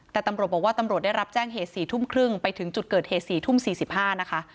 แต่ตำรวจบอกว่าตำรวจได้รับแจ้งเหตุ๔ทุ่มครึ่งไปถึงจุดเกิดเหตุ๔ทุ่ม๔๕นะคะ